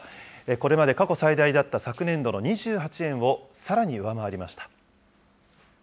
これまで過去最大だった昨年度の２８円をさらに上回りました。